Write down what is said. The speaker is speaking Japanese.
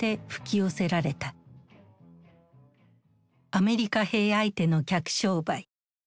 アメリカ兵相手の客商売。